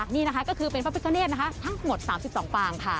นี่นะคะก็คือเป็นพระพิกาเนธนะคะทั้งหมด๓๒ฟางค่ะ